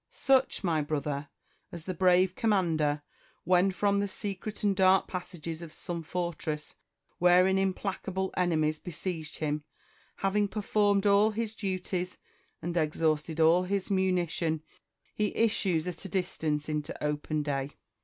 Such, my brother, as the brave MARCUS TULLIUS AND QUINCTUS CICERO. 339 commander, when from the secret and dark passages of some fortress wherein implacable enemies besieged him, having performed all his duties and exhausted all his munition, he issues at a distance into open day.